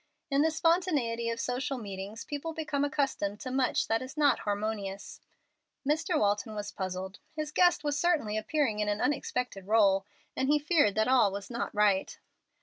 In the spontaneity of social meetings people become accustomed to much that is not harmonious. Mr. Walton was puzzled. His guest was certainly appearing in an unexpected role, and he feared that all was not right.